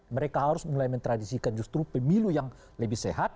mereka harus mulai mentradisikan justru pemilu yang lebih sehat